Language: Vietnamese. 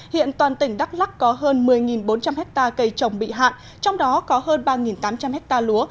hiện toàn tỉnh đắk lắc có hơn một mươi bốn trăm linh hectare cây trồng bị hạn trong đó có hơn ba tám trăm linh ha lúa